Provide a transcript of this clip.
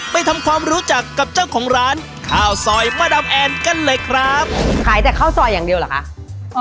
ไปทำความรู้จักกับเจ้าของร้านข้าวซอยมะดำแอนกันเลยครับขายแต่ข้าวซอยอย่างเดียวเหรอคะ